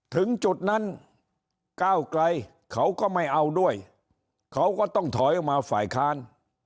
ถึงจุดนั้นก้าวไกลเขาก็ไม่เอาด้วยเขาก็ต้องถอยออกมาฝ่ายค้าน